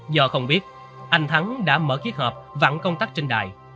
do không biết anh thắng đã mở cái hộp vặn công tắc trên đài